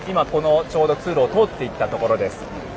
ちょうど通路を通っていったところです。